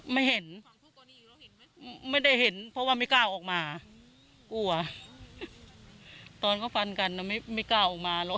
ไม่เห็นไม่ได้เห็นเพราะว่าไม่กล้าออกมากลัวตอนเขาฟันกันไม่กล้าออกมาหรอก